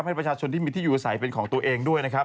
ให้ประชาชนที่มีที่อยู่อาศัยเป็นของตัวเองด้วยนะครับ